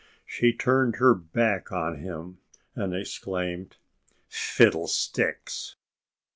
She turned her back on him and exclaimed, "Fiddlesticks!"